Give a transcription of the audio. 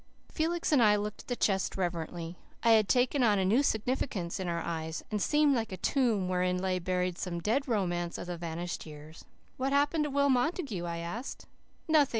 Felix and I looked at the chest reverently. It had taken on a new significance in our eyes, and seemed like a tomb wherein lay buried some dead romance of the vanished years. "What happened to Will Montague?" I asked. "Nothing!"